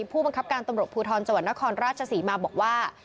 ผู้บังคับการตำรวจภูทรจังหวัดนครราชศรีมาบอกว่า